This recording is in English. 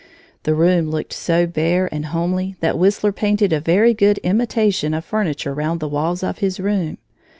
The room looked so bare and homely that Whistler painted a very good imitation of furniture round the walls of his room.